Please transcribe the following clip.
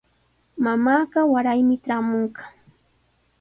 Mamaaqa waraymi traamunqa.